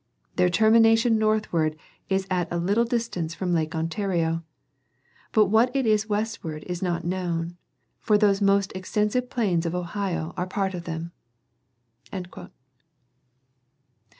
* Their termination northward is at a little distance from Lake Ontario ; but what it is westward is not known, for those most extensive plains of Ohio are part of them."